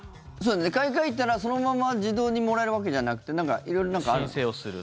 買い替えたらそのまま自動にもらえるわけじゃなくて色々なんかある？